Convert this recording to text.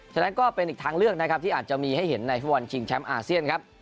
ฉะนั้นก็เป็นอีกทางเลือกนะครับที่อาจจะมีให้เห็นในฟุตบอลชิงแชมป์อาเซียนครับ